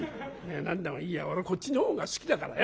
「何でもいいや俺こっちの方が好きだからよ。